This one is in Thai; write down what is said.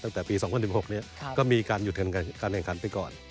ตั้งแต่ปี๒๐๑๖ก็มีการหยุดการแข่งขันไปก่อน